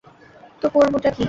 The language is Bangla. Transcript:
তো করবোটা কী?